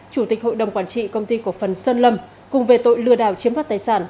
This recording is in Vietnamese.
chủ tịch hội đồng quản trị công ty cổ phần sơn lâm cùng về tội lừa đảo chiếm đoạt tài sản